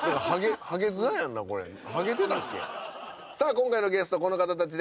今回のゲストこの方たちです。